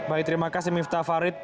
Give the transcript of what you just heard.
baik terima kasih miftah farid